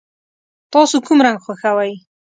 تاسو کوم رنګ خوښوئ؟